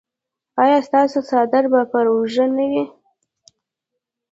ایا ستاسو څادر به پر اوږه نه وي؟